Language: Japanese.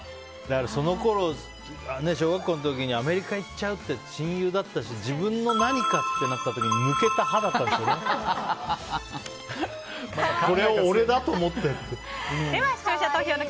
そのころ小学校の時にアメリカ行っちゃうって親友だったし自分の何かってなった時に抜けた歯だったんでしょうね。